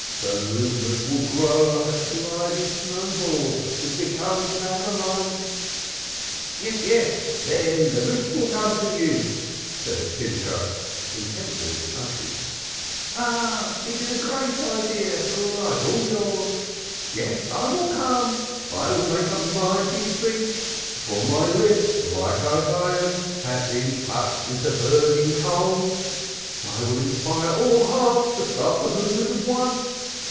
The movement will grow like a sliding snow ball that becomes an avalanche." "Yes, then the rich will come to you," said Pinchas, intensely excited. "Ah! it is a great idea, like all yours. Yes, I will come, I will make a mighty speech, for my lips, like Isaiah's, have been touched with the burning coal. I will inspire all hearts to start the movement at once.